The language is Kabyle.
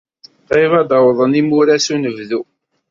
Qrib ad d-awḍen yimuras n unebdu.